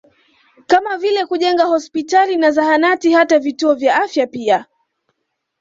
Kama vile kujenga hospitali na zahanati hata vituo vya afya pia